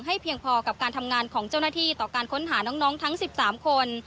เพียงพอกับการทำงานของเจ้าหน้าที่ต่อการค้นหาน้องทั้ง๑๓คน